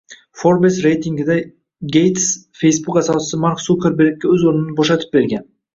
Forbes reytingida Geyts Facebook asoschisi Mark Sukerbergga o‘z o‘rnini bo‘shatib bergan